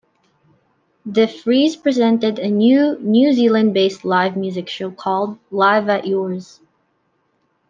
Defries presented a new New Zealand-based live music show called "Live at Yours".